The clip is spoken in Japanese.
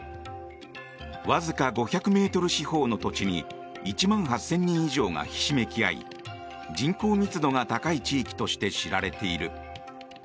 わずか５００ｍ四方の土地に１万８０００人以上がひしめき合い人口密度が高い地域として知られている。